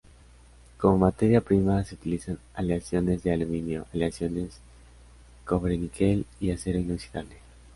Como materia prima se utilizan aleaciones de aluminio, aleaciones cobre-níquel y acero inoxidable.